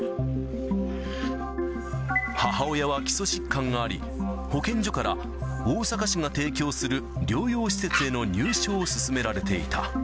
母親は基礎疾患があり、保健所から、大阪市が提供する療養施設への入所を勧められていた。